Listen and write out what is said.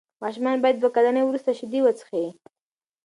ماشومان باید د دوه کلنۍ وروسته شیدې وڅښي.